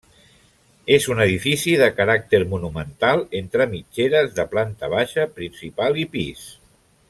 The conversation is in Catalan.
És un edifici de caràcter monumental, entre mitgeres, de planta baixa, principal i pis.